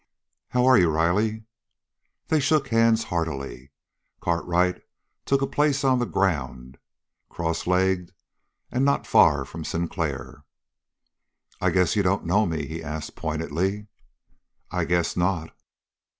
"How are you, Riley?" They shook hands heartily. Cartwright took a place on the ground, cross legged and not far from Sinclair. "I guess you don't know me?" he asked pointedly. "I guess not."